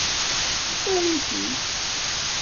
Err-it-id!